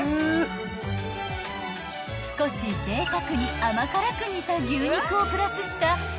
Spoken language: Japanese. ［少しぜいたくに甘辛く煮た牛肉をプラスした